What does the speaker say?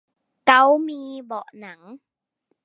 เก้ามีเบาะหนัง